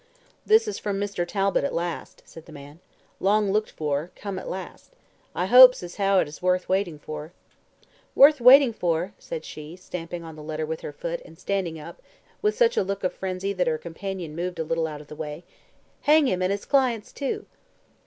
"This is from Mr. Talbot at last," said the man. "Long looked for come at last. I hopes as how it is worth waiting for." "Worth waiting for!" said she, stamping on the letter with her foot, and standing up, with such a look of frenzy that her companion moved a little out of the way. "Hang him, and his clients too!"